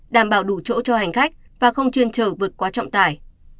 đảm bảo đủ chỗ cho hành khách và không chuyên trở vượt quá trọng tài